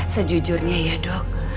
sejujurnya ya dok